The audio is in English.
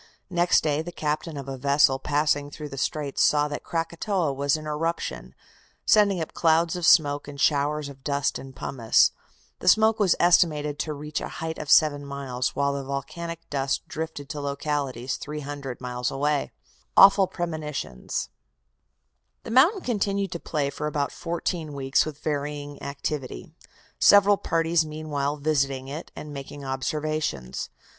Next day the captain of a vessel passing through the Straits saw that Krakatoa was in eruption, sending up clouds of smoke and showers of dust and pumice. The smoke was estimated to reach a height of seven miles, while the volcanic dust drifted to localities 300 miles away. AWFUL PREMONITIONS The mountain continued to play for about fourteen weeks with varying activity, several parties meanwhile visiting it and making observations.